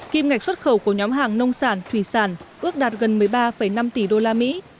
kim ngạch xuất khẩu của nhóm hàng nông sản thủy sản ước đạt gần một mươi ba năm tỷ đô la mỹ